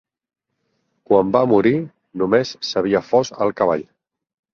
Quan va morir només s'havia fos el cavall.